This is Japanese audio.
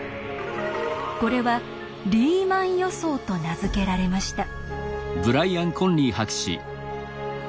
これは「リーマン予想」と名付けられました。